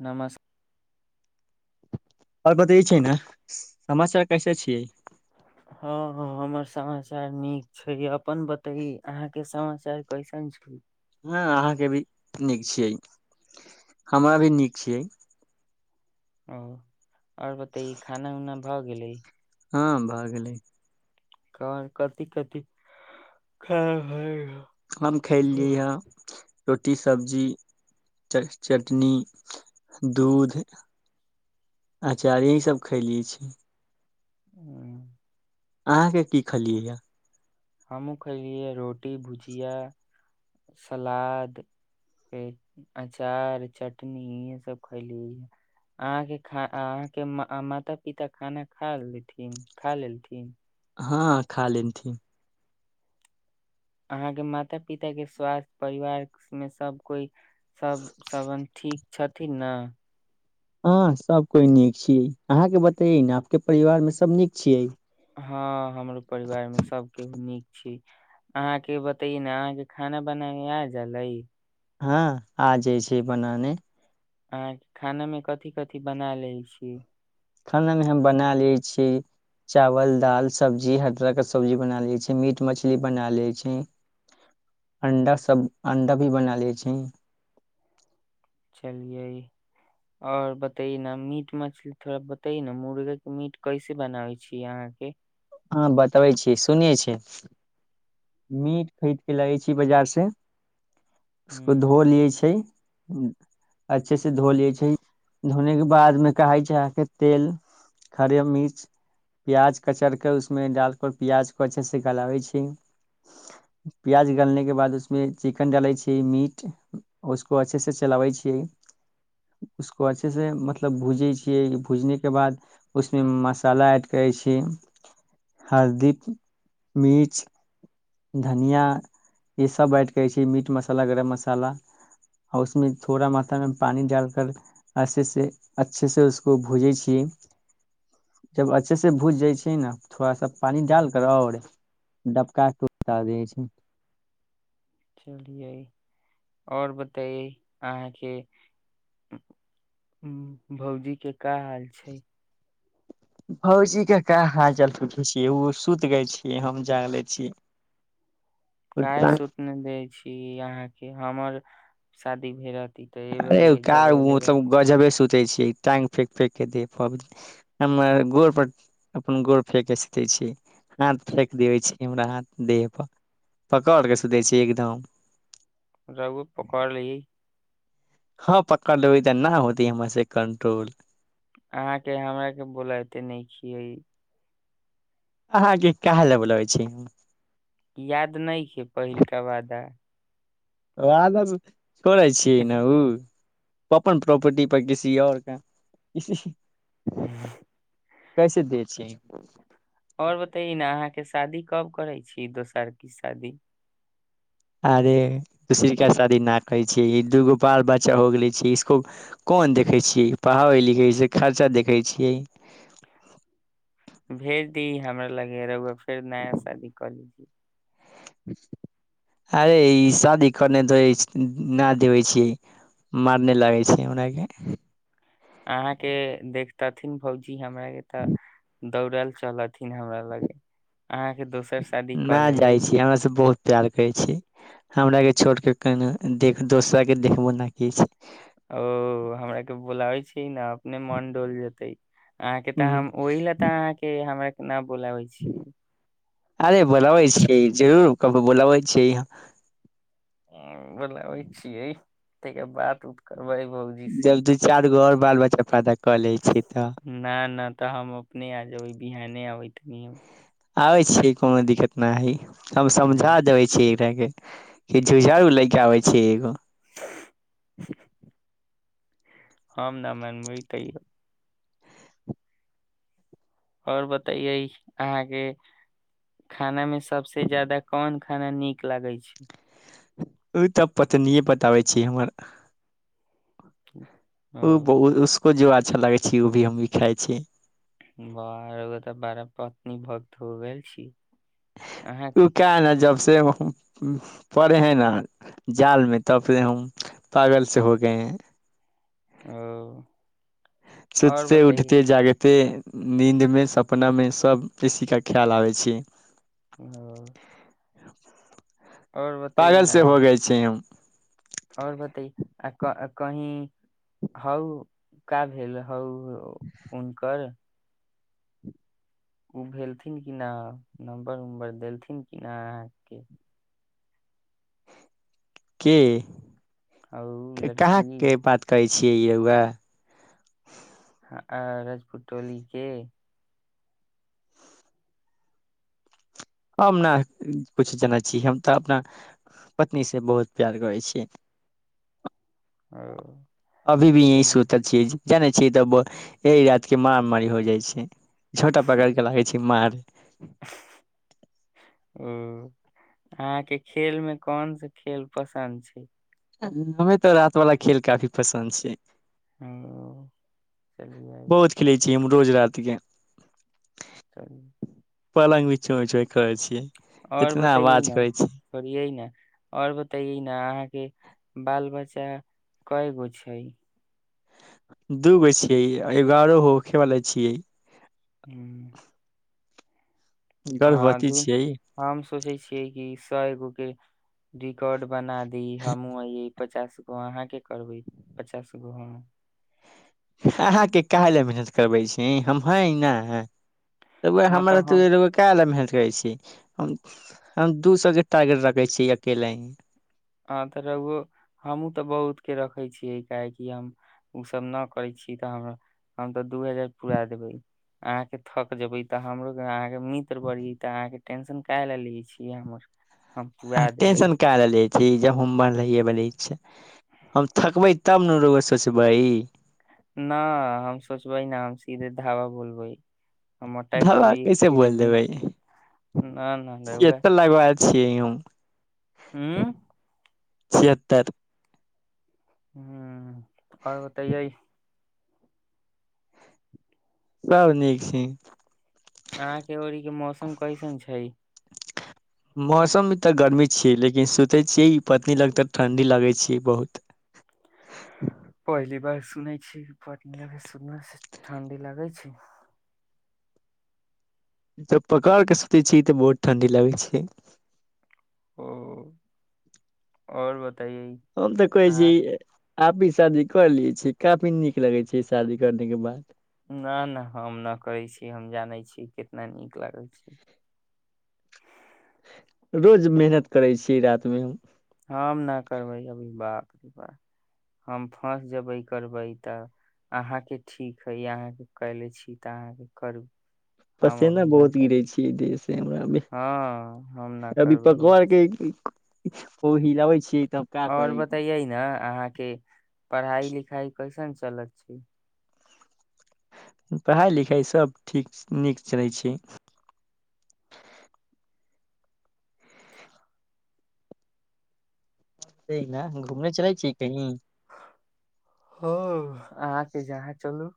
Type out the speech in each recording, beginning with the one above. नमस आओर बतै छै ने समाचार कैसे छियै हँ हँ हमर समाचार नीक छै अपन बताय अहाँके समाचार कैसन छै हँ अहाँके भी नीक छियै हमरा भी नीक छियै ओ आओर बतैये खाना उना भ गेले हँ भ गेल गेलै कर कथि कथि खाना भेलय या हम खेलेलियै या रोटी सब्जी च चटनी दूध अँचार यही सभ खैलियै छी [inaudible] अहाँके की खलियै यए हमहुँ खैलियै रोटी भुजिया सलाद अचार चटनी ई सब खैलियै अहाँके खा अहाँके माता पिता खाना खा खाना लेथिन हँ खा लेनथि अहाँके माता पिताके स्वास्थ्य परिवारमे सभ कोइ सभ समबन्ध ठीक छथिन न अ सब कोइ नीक छियै अहाँ के बतये ने आपके परिवार मे सब नीक छियै हँ हमरो परिवार मे सब के नीक छी अहाँ के बतय ने अहाँ के खाना बनाब आ जा ले हँ आ जाइ छै बनाने अहाँके खानामे कथि कथि बना लैत छी यै खानामे हम बना लैत छीिय चावल दालि सब्जी हर तरहके सब्जी बना लैत छी मीट मछली बना लैत छी अणडा सभ अं्डा भी बना लैत छी चलिये आओर बतै न मीट मछली थोड़ा बतै न मुर्गा के मीट कैसे बनाबै छियै अहाँके हँ बतबै छी सुनिये छी मीट खरीदके लबै छी बाजार सँ उसको ह धो लिये छै अच्छे से धो ले छै धोने के बाद मे कहै छै अहके तेल हरियर मिर्च प्याज कचर उसमे डाल क प्याज को अच्छे से गलाबै छीियै प्याज गालने के बाद उसमे चिकन डालै छियै मीट उसको अच्छे से चलाबै छियै उसको अच्छे से मतलब भूजै छियै भूजने के बाद उसमे मसाला ऐड करै छियै हरदी मिर्च धनिया ई सब ऐड करै छी मीट मसाला गरम मसाला आ उसमे थोड़ा मथा मे पानी डाल कर अचछे से अच्छे से उसको भूजै छीियै जब अच्छे से भुज जाइ छी छियै ना थोड़ा सा पानि डाल कर आओरे डबका के उल्टा दै छै चलियै आओर बतइे अहाँ के भौजी के का हाल छै भौजीे के का हाल पुछै छियै ओ सुति गय छीियै हम जाग ले छीिय काय सुूतने दै छी अहाँ के हमर शादी केरात अरे क मतलब गजब सु सुते छी टाँंग फेेक फेेक के देह पर हम गोड़ पर अपन गोड़ फेेक के सुते छी हाथ फेक देबे छी हमरा हाथ देह पर पकड़ के सुते छी एकदम रहुआ पकड़ लैइ हँ पकड़ लेबै तऽ नहि होएत हमरा से कंट्रोल अहाँके हमरा के बोलाएते नहि छिय अहाँके काहे ला बोलाबै छी याद नहि खे पहिलका वादा [unintelligible] छोड़ै छियै ने उ अपन प्रॉपर्टी पर किसी आऔर का [inaudible] कैसे देवे छियै आओर बताइ न आहाँ शादी कब करै छी दोसर की शादी अरे दसरेा शादी न करै छियै ई दूगो बाल बच्चा हो गेलै छै इसको कोन देखै छियै पढ़ाबै लिखैस खर्चा देखै छिय भेज दी हमरा लगे रउआ फेर नया शादी करली अरे ई शादी करने न देबै छियै मारने लागै छै हमरा के अहाँके देखतथिन भौजी ज हमरा के तऽ दौड़ै ले चल एथिन हमरा लगे अहाँ के दोसर शादी कऽ नहि लेबै जाइ छी हमरा सब बहुत प्यार करै छी हमरा के छोड़ के के देख दोसरा के देखबो ने की छै ओ हमरा के बोलाबइ छी ने अपने मन डोल जेतै अहाँके तऽ ह हम ओहि ले तऽ अहाँके हमर न बोलाबै छि अरे बोलाबै छीयै जरूर क बोलाबै छीयै बोलाबै छियै त बात उत क जब तू चारि घर बाल बच्चा फाइदा कऽ लै छी तऽ न न तऽ हम अपने आ जेबै बिहाने आबे तनि हम आबै छीयै कोनो दिक्कत नहि हइ हम समझा देबै छी झुझारू ले के आबे छै एगो आम नाम मन मानबै तइयो आओर बतै अहाँके खाना मे सबस ज्यादा कोन खाना नीक लागै छै ओ तऽ पतने बताबै छी हमर ह [unintelligible] ओ बहुत जो अच्छा लागै छै ओ भी हम भी खाइ छी बा ओ तऽ बड़ा पत्नी भक्त हो गेल छी उ अहाँके का न जब से पड़े हैं न जाल में तबे हम पागल से हो गए है ओ आओर सुतते बतैयै उठते जागते नीन्दमे सपनामे सभ बेसीके ख्याल आबै छी ओ और पागल से हो गय छी हम आओर बतय आ कही हउ का भेल हउ हो उनकर ओ भेलथिन कि नहि नम्बर उम्बर देलथिन कि नहि अहाँ के की आ ओ कहाँ लड़की के बात कहै छियै य वएह आ राजपूत टोली के हम ने किछु जानै छी हम तऽ अपना पत्नीसँ बहुत प्यार करै छियै आ अभी भी यही सूत छियै जानै छीयै तबो एहि रात के मार मारी हो जाइ छै छोटा पकर के लागै छै मार [inaudible] ओ अहाँ के खेल मे कोन से खेल पसन्द छै हमे तो राति वाला खेल काफी पसन्द छैिय ओ चलियियै कीम रोज राति के चलि पलङग बि चोचु करै छियै आओर इतना बताइये आवाज ना करै छी थोड़ियै ने आओर बताये न अहाँके बाल बच्चा कयगो छै दूगो छियै एगो आओर हो खेवाला छियै आ गर्भवती दू छियै हम सोचै छियै कि कयगो के रिकॉ्ड बना दी हमहू य पचास गो अहाँ के करबै पचास गो हम अहाँके काहुले लए मेहनत करबै छी हम है न है रहुआ हँ तऽ हमरा हम त काय ला मेहनत छी दू सए के टारगेट राखे छी अकेले ही हँ तऽ रह हमहूँ तऽ बहुत के रखे छियै काहेकि हम ओसभ नहि करै छीियै तऽ हम हम तऽ दू हजार पुरा देबै अहाँके थक जेबै तऽ हमरो अहाँ मित्र बढ़ी तऽ अहाँ टेंशन काहे लए ले छिय हमर हम पुरा देबै टेन्शन का लै लैबेत छियै जब हम बनलहि ब हम थकबै तब न रुआ सोचबै न हम सोचबै न हम सीधे धावा बोल्बै मोटाइ धबा करबै कैसे एक बेर बोल देबै म नहि नहि रहुआ छिहत्तर लगवा छियै हम हँ छिहत्तर ह आओर बतैय सब नीक छै अहााँ के ओरीके मौसम कैसन छै मौसममे तऽ गर्मी छियै लेकिन सुतै छियै पत्नी लग तऽ ठणडी लगै छै बहुत पहली बार सुनै छी पत्नी लग सुतल से ठं्डी लगै छै तऽ पकड़ के सुतै छी तऽ बहुत ठण्डी लागै छै ओ हो आओर बता हम तऽ कहय छी आप ई शादी कर लिय छीयै काफी नीक लगे छै शादी करने के बाद न नहि हम नहि करै छी हम जानै छी केितना नीक लागै छै रोज मेहनत करै छी रातिमे हम नहि करबै अभी बाप रे बाप हम फस जेबै करबै तऽ अहाँके ठीक हइ अहाँके कयले छी तऽ अहाँके करू हम पसीना अभी न बहुत गिरे करबै छियै देह से हमरा हँ हम न अभी करबै पकवाके ओ हिलाबै छीये और बतैये ने अहाँके पढ़ाई लिखाई कैसन छै गलत छै पढ़ाइ लिखाइ सभ ठीक नीक चलै छै ठीक ना न घूमने चलै छीियै कही हँ आ त जहाँ चलू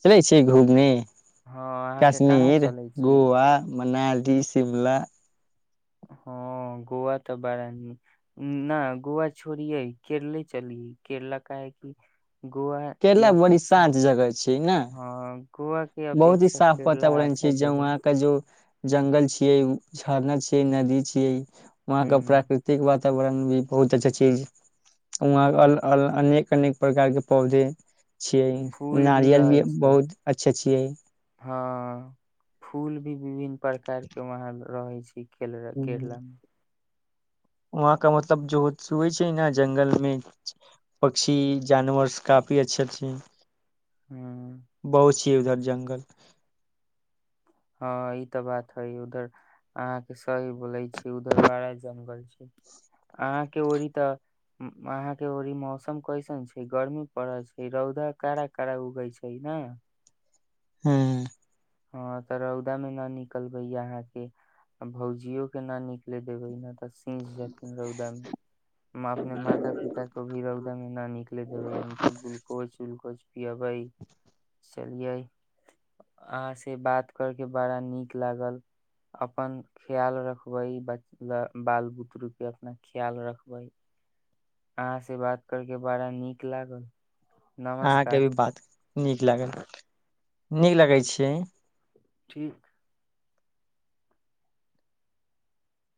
चलै छिय घूमने हँ अहाँके कहाँ कश्मीर चलै छी गोआ मनाली की सिमला हँ गोआ तऽ बारा निक ना गोव छोड़िये केरले चलिय केरला कहे की केरला बड़ी शांत जगह छै न हँ गोवा के बहुत ही अपेक्षा साफ केरला वातावरण अच्छा छै जौं जगह वहां के जो जंगल छियै झरना छियै नदी छियै वहाँ क हूँ प्राकृतिक बाताबरण वातावरण भी बहुत अच्छा चीज वहाँ अल अल अने अनेक अनेक प्रकार के पौधे छियै फूल नारियल भी रहै छै बहुत अच्छा छिये हँ फूल भी विभिन्न प्रकार के वहाँ रहै छै केर केरला वहाँ क मतलब जोइ छै ने जंगल मे पक्षी जानवर काफी अच्छा छै हूँ [inaudible] के उधर जंगल ह ई तऽ बात हय उधर अहां के सही बोलै छी उधर बारा जंगल छै अहाँ के ओड़ी तऽ अहाँ के ओड़ी मौसम कैसन छै गर्मी पड़ल छै रौदा कड़ा कड़ा उगै छै ने हँ ह तऽ रौदा मे न निकलबै य अहाँ के भौजियो के ना निकले देबे ने तऽ रौदा मे अपने माता पिता को भी रौदा मे ना निकले देबै उनको ग्लूकोज उलकोज पियबै चलियै अहाँसँ बात करके बड़ा नीक लागल अपन ख्याल रखबै बच बाल बुतरूके अपना ख्याल रखबै अहाँ से बात करके बड़ा नीक लागल अहाँक नमस्कार अभी बात नीक लागल नीक लगै छियै ठीक